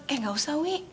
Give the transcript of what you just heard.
eh gak usah wi